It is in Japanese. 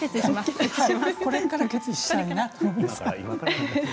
これから決意したいな。